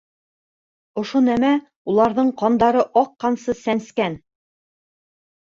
Ошо нәмә уларҙың ҡандары аҡҡансы сәнскән.